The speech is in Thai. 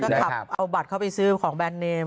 ก็ขับเอาบัตรเข้าไปซื้อของแบรนดเนม